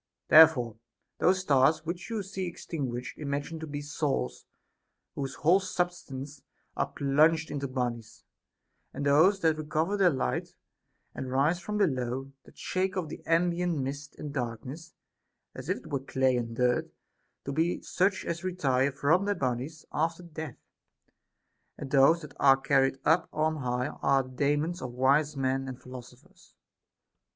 There fore those stars which you see extinguished imagine to be souls whose whole substances are plunged into bodies ; and those that recover their light and rise from below, that shake off the ambient mist and darkness, as if it were clay and dirt, to be such as retire from their bodies after death ; and those that are carried up on high are the Daemons of wise men and philosophers.